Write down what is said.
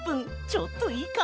ちょっといいか？